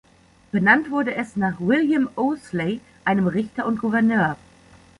Benannt wurde es nach William Owsley, einem Richter und Gouverneur.